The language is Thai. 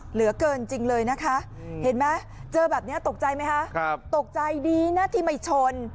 เหลือเกินจริงเลยนะคะเห็นไหมเจอแบบนี้ตกใจไหมคะตกใจดีนะที่ไม่ชน